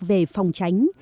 về phòng tránh